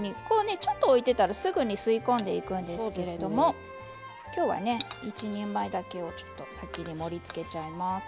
ちょっと置いてたら吸い込んでいくんですけれども今日は１人前だけを先に盛りつけちゃいます。